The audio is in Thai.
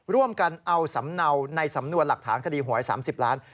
ร่วมกันเอาสำเนาในสำนวนหลักฐานคดีหวย๓๐ล้าน